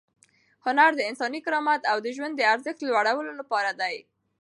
هنر د انساني کرامت او د ژوند د ارزښت د لوړولو لپاره دی.